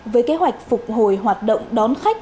với kế hoạch phục hồi hoạt động đón khách